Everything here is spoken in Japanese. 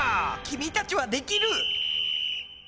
君たちはできる！